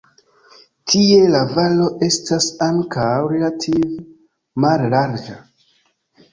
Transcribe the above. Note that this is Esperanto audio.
Tie la valo estas ankaŭ relative mallarĝa.